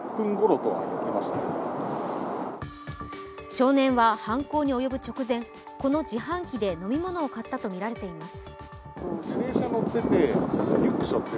少年は犯行に及ぶ直前、この自販機で飲み物を買ったとみられています。